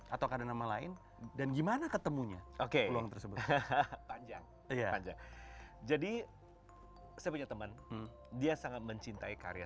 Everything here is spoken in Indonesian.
atau karena nama lain dan gimana ketemunya oke jadi saya punya teman dia sangat mencintai karya